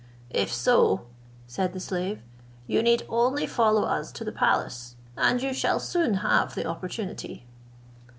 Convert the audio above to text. "If so," said the slave, "you need only follow us to the palace, and you shall soon have the opportunity."